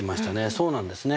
そうなんですね。